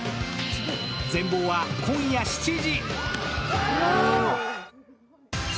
全貌は今夜７時。